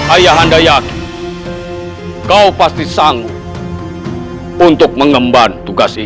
ayah anda yakin kau pasti sanggup untuk mengemban tugas ini